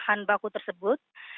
bahan baku tersebut